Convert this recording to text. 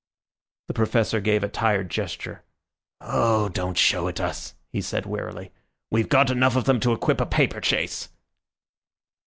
The Professor gave a tired gesture. "Oh, don't show it us," he said wearily; "we've got enough of them to equip a paper chase."